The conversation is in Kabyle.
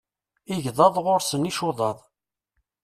Igḍaḍ ɣur-sen icuṭaṭ.